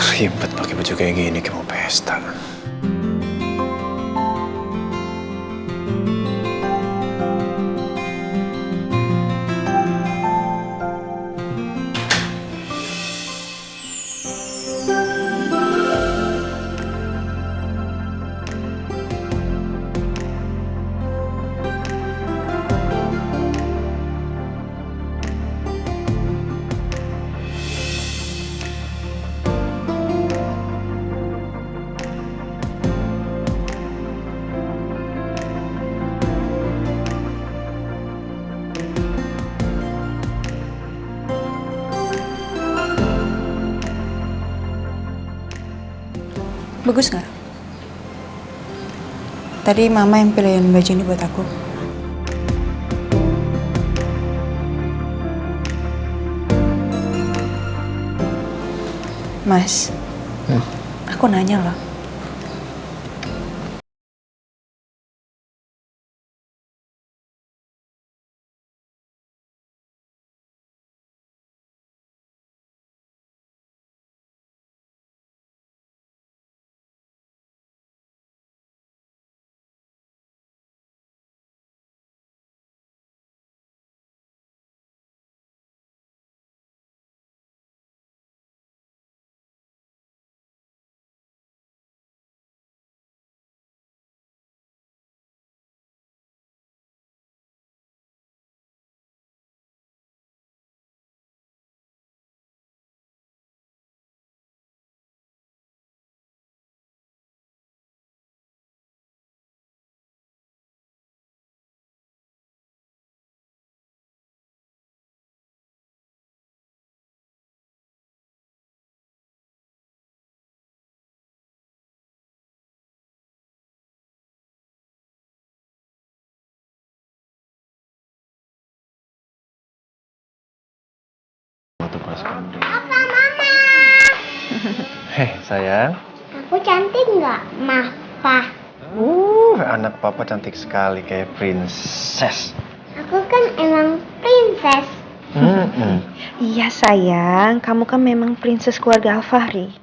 ribet pake baju kayak gini something yang pesta